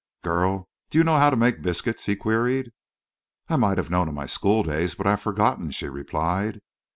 "Girl, do you know how to make biscuits?" he queried. "I might have known in my school days, but I've forgotten," she replied.